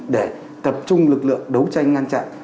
để tập trung lực lượng đấu tranh ngăn chặn